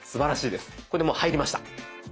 これでもう入りました。